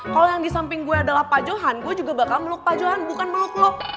kalau yang di samping gue adalah pak johan gue juga bakal meluk pak johan bukan meluk meluk